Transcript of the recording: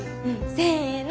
せの！